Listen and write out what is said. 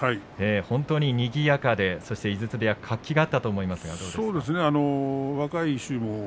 本当に、にぎやかで井筒部屋が活気があったと思います。